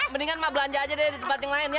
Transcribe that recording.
mendingan mah belanja aja deh di tempat yang lain ya